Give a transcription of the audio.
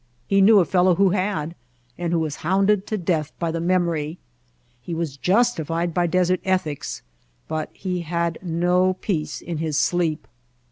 He knew a fellow who had and who was hounded to death by the memory. He was justified by desert ethics, but he had no peace in his sleep.